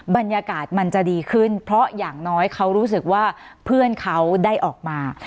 บรรยากาศมันจะดีขึ้นเพราะอย่างน้อยเขารู้สึกว่าเพื่อนเขาได้ออกมา